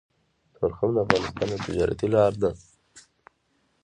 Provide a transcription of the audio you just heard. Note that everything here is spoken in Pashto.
تورخم د افغانستان يوه تجارتي لاره ده